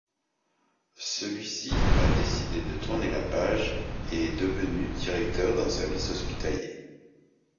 Celui-ci a décidé de tourner la page et est devenu directeur d'un service hospitalier.